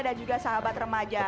dan juga sahabat remaja